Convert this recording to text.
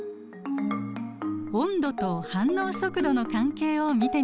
温度と反応速度の関係を見てみましょう。